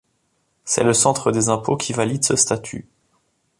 C'est le centre des impôts qui valide ce statut.